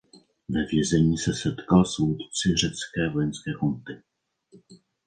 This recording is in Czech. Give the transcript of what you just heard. Ve vězení se setkal s vůdci Řecké vojenské junty.